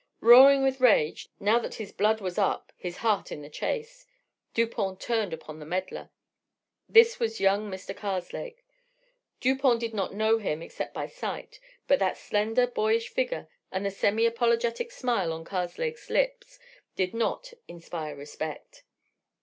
Roaring with rage (now that his blood was up, his heart in the chase) Dupont turned upon the meddler. This was young Mr. Karslake. Dupont did not know him except by sight, but that slender, boyish figure and the semi apologetic smile on Karslake's lips did not inspire respect.